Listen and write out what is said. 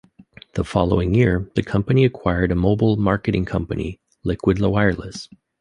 The following year the company acquired a mobile marketing company, Liquid Wireless.